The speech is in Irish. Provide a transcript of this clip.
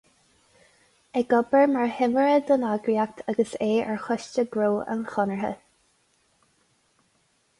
Ag obair mar thimire don eagraíocht agus é ar Choiste Gnó an Chonartha.